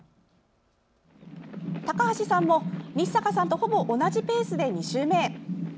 高橋さんも、日坂さんとほぼ同じペースで２周目へ。